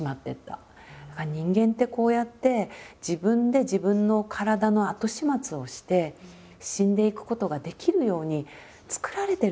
人間ってこうやって自分で自分の体の後始末をして死んでいくことができるようにつくられてるんだなって。